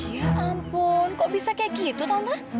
ya ampun kok bisa kayak gitu tana